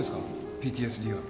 ＰＴＳＤ は